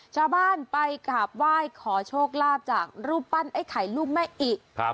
ชาวบ้านไปกราบไหว้ขอโชคลาภจากรูปปั้นไอ้ไข่ลูกแม่อิครับ